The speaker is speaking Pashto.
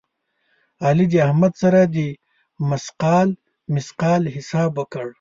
علي د احمد سره د مثقال مثقال حساب وکړ.